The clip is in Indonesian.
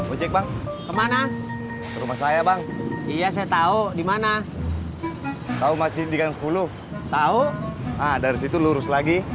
ojek bang kemana rumah saya bang iya saya tahu dimana tahu masih di kan sepuluh tahu ada situ lurus lagi